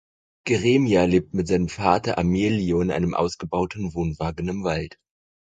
Geremia lebt mit seinem Vater Amelio in einem ausgebauten Wohnwagen im Wald.